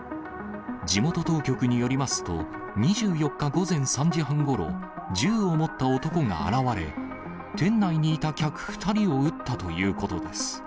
地元当局によりますと、２４日午前３時半ごろ、銃を持った男が現れ、店内にいた客２人を撃ったということです。